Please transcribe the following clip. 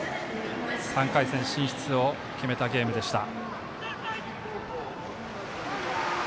３回戦進出を決めたゲームでした。